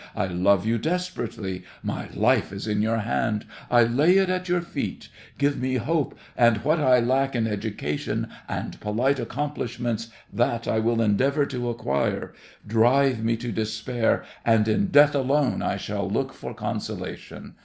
I love you desperately, my life is in your hand—I lay it at your feet! Give me hope, and what I lack in education and polite accomplishments, that I will endeavour to acquire. Drive me to despair, and in death alone I shall look for consolation.